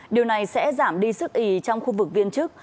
điều này sẽ giảm đi sức ý trong khu vực viên chức